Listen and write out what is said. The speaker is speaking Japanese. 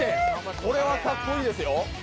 これはカッコいいですよ！